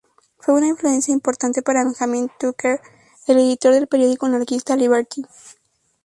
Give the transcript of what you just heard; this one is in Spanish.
Fue una influencia importante para Benjamin Tucker, el editor del periódico anarquista "Liberty".